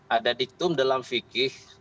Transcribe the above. ada diktum dalam fikir